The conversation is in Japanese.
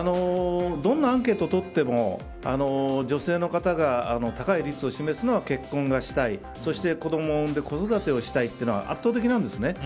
どんなアンケートをとっても女性の方が高い率を示すのは結婚がしたいそして、子供を産んで子育てをしたいというのは圧倒的なんですね。